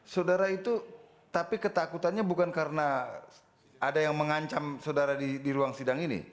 saudara itu tapi ketakutannya bukan karena ada yang mengancam saudara di ruang sidang ini